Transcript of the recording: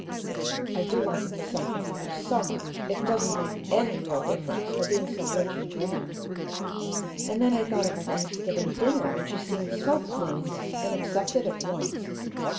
I do want to do something for her so much it doesn't make any real difference, her being so rich and grand. And then I thought of our Thanksgiving dinner, and she seemed so pleased, and accepted at once.